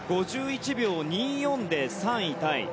５１秒２４で３位タイ。